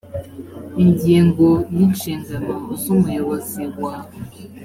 ingingo ya inshingano z umuyobozi wa